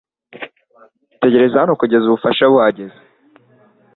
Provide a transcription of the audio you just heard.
Tegereza hano kugeza ubufasha bugeze .